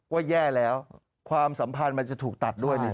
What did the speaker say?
แย่แล้วความสัมพันธ์มันจะถูกตัดด้วย